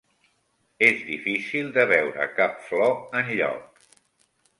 És difícil de veure cap flor enlloc